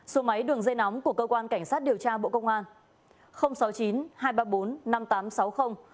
số máy đường dây nóng của cơ quan cảnh sát điều tra bộ công an